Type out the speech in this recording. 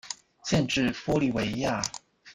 县治玻利维亚。